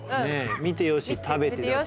見て良し食べて良し。